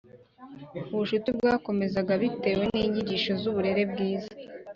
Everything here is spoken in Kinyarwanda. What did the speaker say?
ubucuti bwakomezaga bitewe n’inyigisho z’uburere bwiza